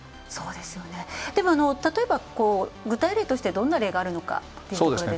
でも、例えば、具体例としてどんな例があるのかっていうところですけれど。